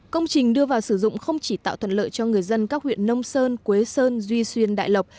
công trình đưa vào sử dụng không chỉ tạo thuận lợi cho người dân các huyện nông sơn quế sơn duy xuyên đại lộc